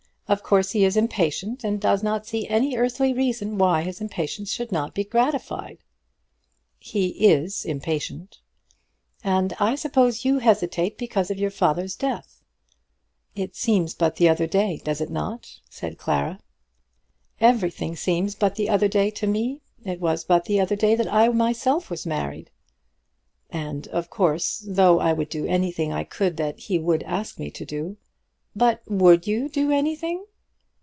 Of course he is impatient, and does not see any earthly reason why his impatience should not be gratified." "He is impatient." "And I suppose you hesitate because of your father's death." "It seems but the other day; does it not?" said Clara. "Everything seems but the other day to me. It was but the other day that I myself was married." "And, of course, though I would do anything I could that he would ask me to do " "But would you do anything?"